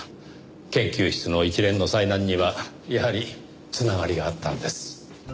研究室の一連の災難にはやはり繋がりがあったんです。